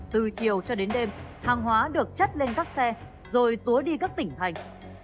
từ chiều cho đến đêm hàng hóa được chất lên các xe rồi túa đi các tỉnh thành